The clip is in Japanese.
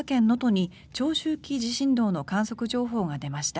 また、石川県能登に長周期地震動の観測情報が出ました。